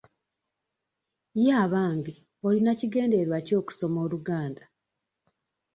Ye abange olina kigendererwa ki okusoma Oluganda?